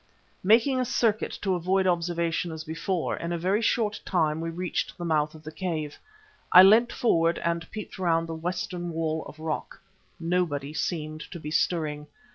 Making a circuit to avoid observation as before, in a very short time we reached the mouth of the cave. I leant forward and peeped round the western wall of rock. Nobody seemed to be stirring.